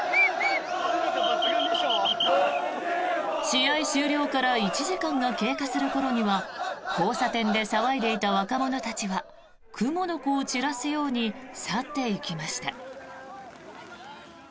試合終了から１時間が経過する頃には交差点で騒いでいた若者たちはクモの子を散らすように去っていきました。